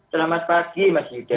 selamat pagi mas yudha